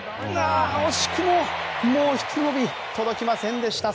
惜しくももうひと伸び届きませんでした。